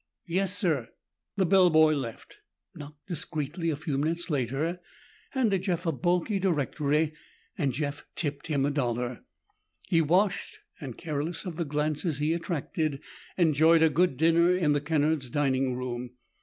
"Yes, sir." The bellboy left, knocked discreetly a few minutes later, handed Jeff a bulky directory, and Jeff tipped him a dollar. He washed and, careless of the glances he attracted, enjoyed a good dinner in the Kennard's dining room.